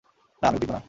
না, আমি উদ্বিগ্ন না।